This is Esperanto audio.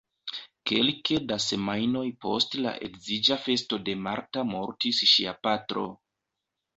Kelke da semajnoj post la edziĝa festo de Marta mortis ŝia patro.